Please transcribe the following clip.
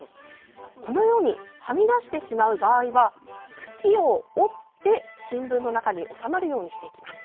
このようにはみ出してしまう場合は茎を折って新聞の中に収まるようにしていきます。